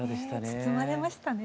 包まれましたね